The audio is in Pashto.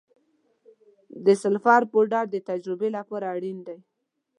د سلفر پوډر د تجربې لپاره اړین دی.